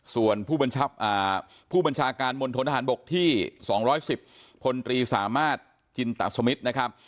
ส่วนผู้บัญชาการมณฑนทหารบกที่๒๑๐พลตรีสามารถจินตสมิทนะครับ